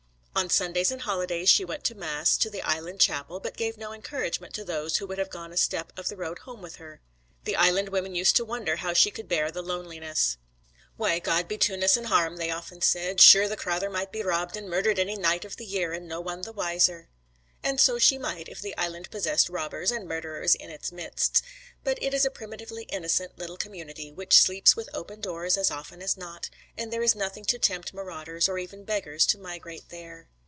On Sundays and holidays she went to mass to the Island Chapel, but gave no encouragement to those who would have gone a step of the road home with her. The Island women used to wonder how she could bear the loneliness. 'Why, God be betune us and harm!' they often said, 'Sure the crathur might be robbed and murdhered any night of the year and no wan the wiser.' And so she might, if the Island possessed robbers and murderers in its midst. But it is a primitively innocent little community, which sleeps with open doors as often as not, and there is nothing to tempt marauders or even beggars to migrate there.